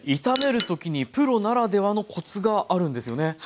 炒める時にプロならではのコツがあるんですよね？